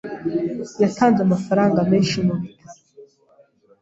Yatanze amafaranga menshi mubitaro.